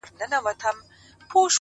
o ما وتا بېل كړي سره؛